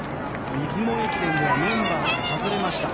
出雲駅伝のメンバーからは外れました。